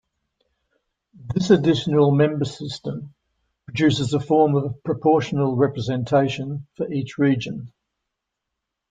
This additional member system produces a form of proportional representation for each region.